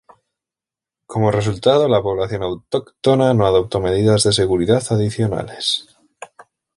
Como resultado, la población autóctona no adoptó medidas de seguridad adicionales.